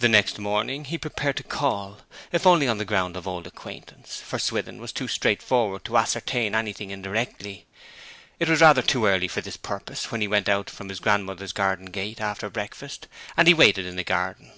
The next morning he prepared to call, if only on the ground of old acquaintance, for Swithin was too straightforward to ascertain anything indirectly. It was rather too early for this purpose when he went out from his grandmother's garden gate, after breakfast, and he waited in the garden.